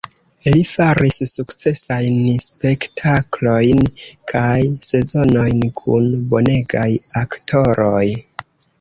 Li faris sukcesajn spektaklojn kaj sezonojn kun bonegaj aktoroj.